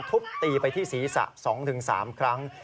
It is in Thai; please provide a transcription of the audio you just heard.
ทุบตีไปที่ศีรษะ๒๓ครั้ง